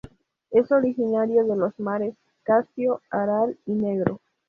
Es originario de los mares Caspio, Aral y Negro.